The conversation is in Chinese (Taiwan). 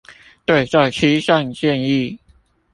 對這七項建議